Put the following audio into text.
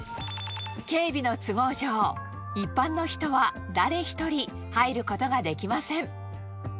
警備の都合上、一般の人は誰一人入ることができません。